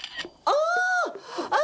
ああ！